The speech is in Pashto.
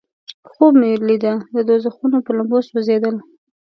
خوب مې لیده د دوزخونو په لمبو سوځیدل.